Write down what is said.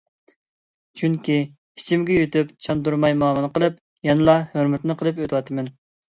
چۈنكى ئىچىمگە يۇتۇپ، چاندۇرماي مۇئامىلە قىلىپ، يەنىلا ھۆرمىتىنى قىلىپ ئۆتۈۋاتىمەن.